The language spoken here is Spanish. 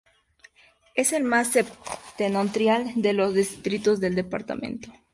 Es el más septentrional de los distritos del departamento.